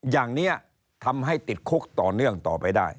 อย่างนี้ทำให้ติดคุกต่อเนื่องต่อไปได้